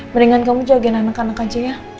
mendingan kamu jagain anak anak aja ya